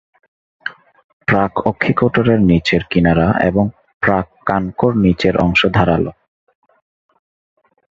প্রাক-অক্ষিকোটরের নিচের কিনারা এবং প্রাক-কানকোর নিচের অংশ ধারালো।